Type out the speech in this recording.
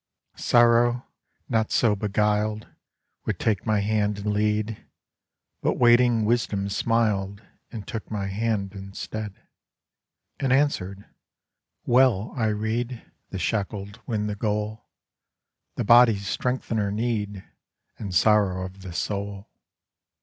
Sorrow, not so beguiled, Would take my hand and lead, But waiting Wisdom smiled And took my hand instead, And answered, 'Well I rede The shackled win the goal; The body's strengthener Need, And Sorrow of the soul.